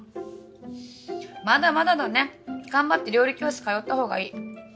まだまだだね頑張って料理教室通ったほうがいい。